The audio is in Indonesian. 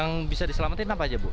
yang bisa diselamatin apa aja bu